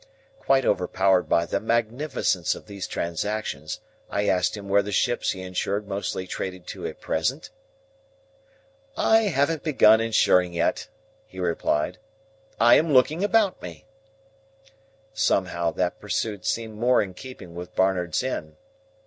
Quite overpowered by the magnificence of these transactions, I asked him where the ships he insured mostly traded to at present? "I haven't begun insuring yet," he replied. "I am looking about me." Somehow, that pursuit seemed more in keeping with Barnard's Inn.